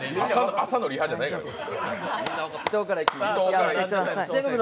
朝のリハじゃないからね、これ。